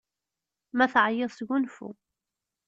Ma teɛyiḍ, sgunfu!